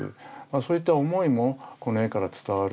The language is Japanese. そういった思いもこの絵から伝わる。